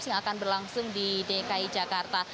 yang akan berlangsung di dki jakarta